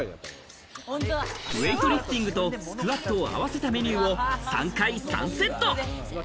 ウエイトリフティングとスクワットを合わせたメニューを３回３セット。